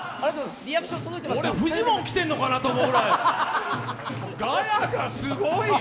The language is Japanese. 俺、フジモン来てるのかなと思った、ガヤがすごい。